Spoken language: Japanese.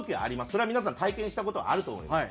それは皆さん体験した事はあると思います。